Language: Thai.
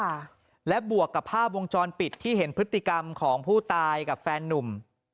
ค่ะและบวกกับภาพวงจรปิดที่เห็นพฤติกรรมของผู้ตายกับแฟนนุ่ม